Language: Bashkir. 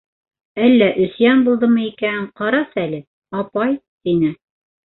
Әллә өсйән булдымы икән, ҡарасәле, апай, — тине.